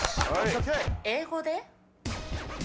英語で？